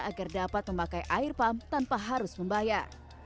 agar dapat memakai air pump tanpa harus membayar